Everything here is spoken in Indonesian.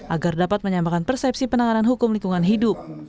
agar dapat menyamakan persepsi penanganan hukum lingkungan hidup